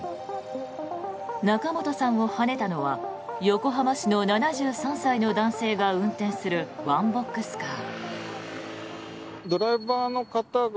仲本さんをはねたのは横浜市の７３歳の男性が運転するワンボックスカー。